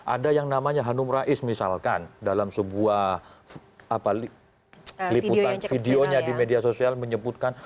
ada yang namanya hanum rais misalkan dalam sebuah liputan videonya di media sosial menyebutkan